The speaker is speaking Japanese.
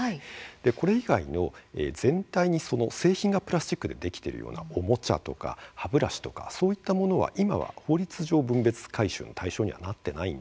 これ以外の全体に製品がプラスチックでできているようなおもちゃ、歯ブラシそういったものは今は法律上分別回収の対象になっていません。